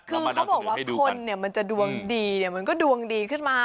คือเขาบอกว่าคนเนี่ยมันจะดวงดีมันก็ดวงดีขึ้นมา